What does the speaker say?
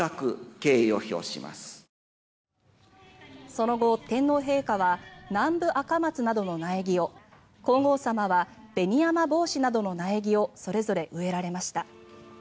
その後、天皇陛下はナンブアカマツなどの苗木を皇后さまはベニヤマボウシなどの苗木をそれぞれ植えられました。